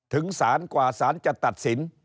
ถึงศาลกว่าสารจะตัดสิน